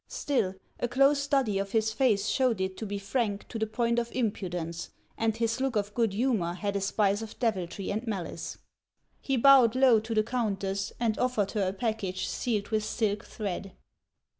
Still, a close study of his face showed it to be frank to the point of impudence, and his look of good humor had a spice of deviltry and malice. He bowed low to the countess, and offered her a package sealed with silk thread.